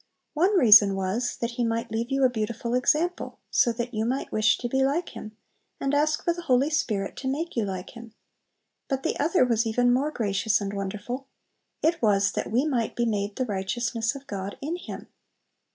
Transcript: One reason was, that He might leave you a beautiful example, so that you might wish to be like Him, and ask for the Holy Spirit to make you like Him. But the other was even more gracious and wonderful, it was "that we might be made the righteousness of God in Him."